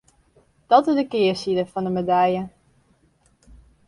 Dat is de kearside fan de medalje.